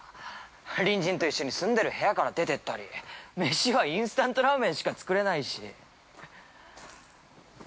隣人と一緒に住んでる部屋から出て行ったり、飯はインスタントラーメンしか作れないし。